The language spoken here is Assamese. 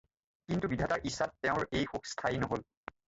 কিন্তু বিধাতাৰ ইচ্ছাত তেওঁৰ এই সুখ স্থায়ী নহ'ল।